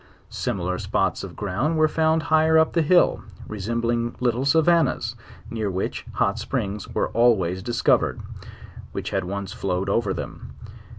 Similar spots of ground were found higher up the hill, resembling little savannas, near which hot springs were always discovered, which had once flowed over them.